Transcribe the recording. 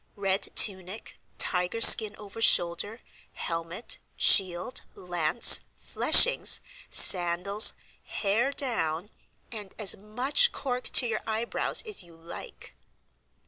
Red tunic, tiger skin over shoulder, helmet, shield, lance, fleshings, sandals, hair down, and as much cork to your eyebrows as you like."